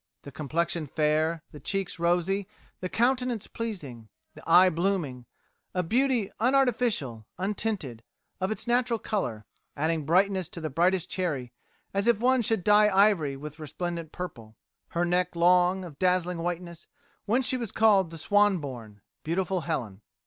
The complexion fair, the cheek rosy, the countenance pleasing, the eye blooming, a beauty unartificial, untinted, of its natural colour, adding brightness to the brightest cherry, as if one should dye ivory with resplendent purple. Her neck long, of dazzling whiteness, whence she was called the swan born, beautiful Helen."